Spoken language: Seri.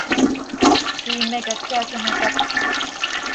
¿Iime quih háqui hac ano tap?